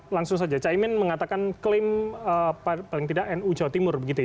langsung saja caimin mengatakan klaim paling tidak nu jawa timur